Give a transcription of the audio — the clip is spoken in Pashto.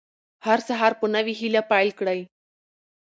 هر سهار په نوې هیله پیل کړئ.